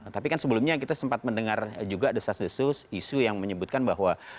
tapi kan sebelumnya kita sempat mendengar juga desas desus isu yang menyebutkan bahwa